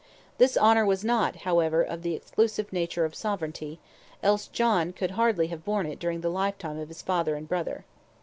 This honour was not, however, of the exclusive nature of sovereignty, else John could hardly have borne it during the lifetime of his father and brother.